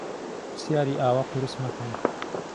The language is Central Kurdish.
پرسیاری ئاوا قورس مەکەن.